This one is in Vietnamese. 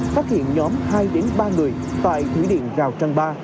phát hiện nhóm hai đến ba người tại thủy điện rào trang ba